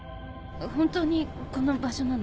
本当にこの場所なの？